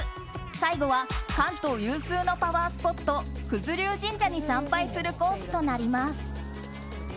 最後は関東有数のパワースポット九頭龍神社に参拝するコースとなります。